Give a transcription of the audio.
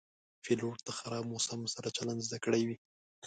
پیلوټ د خراب موسم سره چلند زده کړی وي.